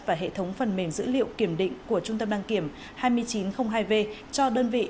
và hệ thống phần mềm dữ liệu kiểm định của trung tâm đăng kiểm hai nghìn chín trăm linh hai v cho đơn vị